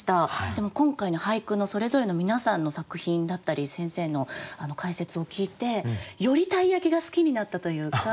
でも今回の俳句のそれぞれの皆さんの作品だったり先生の解説を聞いてより鯛焼が好きになったというか。